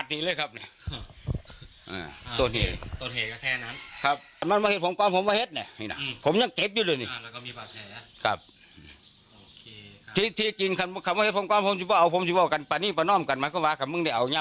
กินเหล่าประจำเหมือนมีจังหวะตอนเนี้ยค่ะนี่เนี้ยเหวี่ยงเหวี่ยง